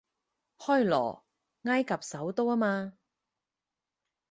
開羅，埃及首都吖嘛